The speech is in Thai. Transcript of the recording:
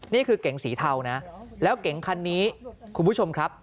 เก๋งสีเทานะแล้วเก๋งคันนี้คุณผู้ชมครับ